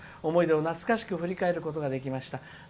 思い出を懐かしく振り返ることができました。